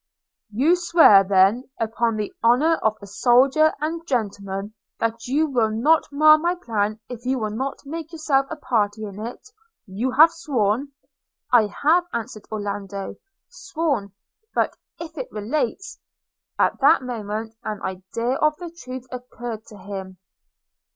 'You swear then, upon the honour of a soldier and a gentleman, that you will not mar my plan if you will not make yourself a party in it – you have sworn.' 'I have,' answered Orlando, 'sworn; but if it relates –' At that moment an idea of the truth occurred to him.